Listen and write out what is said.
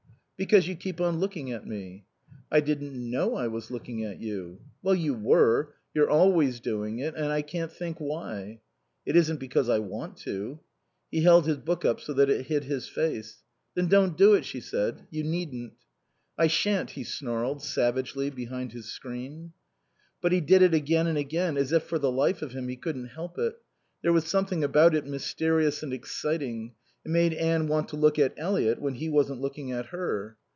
"Because you keep on looking at me." "I didn't know I was looking at you." "Well, you were. You're always doing it. And I can't think why." "It isn't because I want to." He held his book up so that it hid his face. "Then don't do it," she said. "You needn't." "I shan't," he snarled, savagely, behind his screen. But he did it again and again, as if for the life of him he couldn't help it. There was something about it mysterious and exciting. It made Anne want to look at Eliot when he wasn't looking at her.